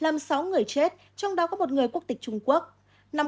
làm sáu người chết trong đó có một người quốc tịch trung quốc